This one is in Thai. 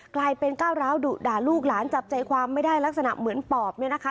กลายเป็นก้าวร้าวดุด่าลูกหลานจับใจความไม่ได้ลักษณะเหมือนปอบเนี่ยนะคะ